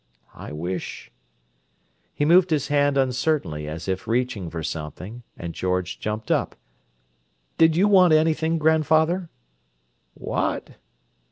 I wish—" He moved his hand uncertainly as if reaching for something, and George jumped up. "Did you want anything, grandfather?" "What?"